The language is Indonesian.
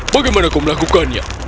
bagaimana kau melakukannya